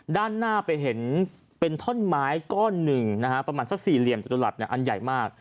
ด้านหน้าไปเห็นเป็นท่อนไม้ก้อนหนึ่งนะฮะประมาณสักสี่เหลี่ยมจตุรัสอันใหญ่มาก